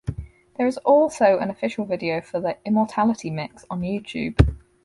There is also an official video for the "Immortality Mix" on YouTube.